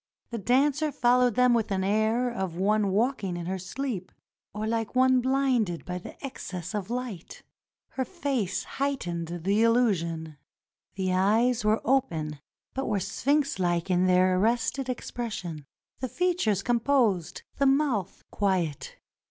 The dancer followed them with the air of one walking in her sleep, or like one blinded by excess of light. Her face heightened the illu sion. The eyes were open but were sphinx like in their arrested expression; the features composed, the mouth quiet.